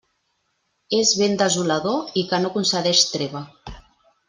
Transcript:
És vent desolador i que no concedeix treva.